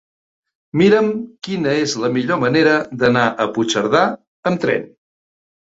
Mira'm quina és la millor manera d'anar a Puigcerdà amb tren.